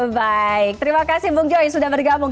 baik terima kasih bung joy sudah bergabung